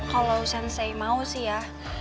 kalau sensay mau sih ya